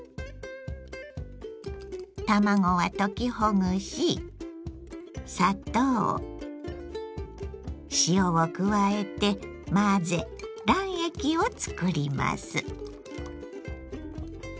卵は溶きほぐし砂糖塩を加えて混ぜ卵液を作ります。